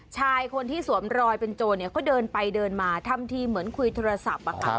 ชายคนที่สวมรอยเป็นโจรเนี่ยเขาเดินไปเดินมาทำที่เหมือนคุยโทรศัพท์อะครับ